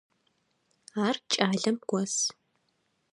Ар кӏалэм гос.